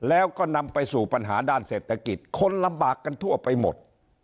แล้วก็นำไปสู่ปัญหาด้านเศรษฐกิจคนลำบากกันทั่วไปหมด